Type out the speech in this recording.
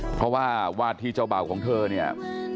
เพราะว่าวาดที่เจ้าบ่าวของเธอเนี่ย